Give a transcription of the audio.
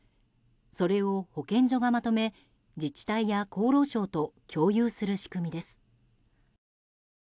それを保健所がまとめ自治体や厚労省と共有する仕組みです。